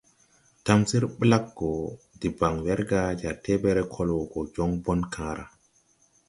Tamsir blaggo deban werga jar tebęęre kol wo go jon bon kããra.